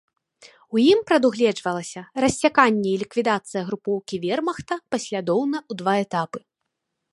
У ім прадугледжвалася рассяканне і ліквідацыя групоўкі вермахта паслядоўна ў два этапы.